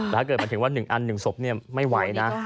แต่ถ้าเกิดมาถึงว่าหนึ่งอันหนึ่งศพไม่ไหวนะ